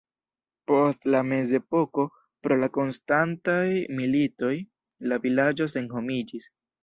Post la mezepoko pro la konstantaj militoj la vilaĝo senhomiĝis.